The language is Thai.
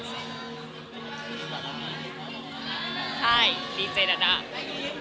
สวัสดีครับ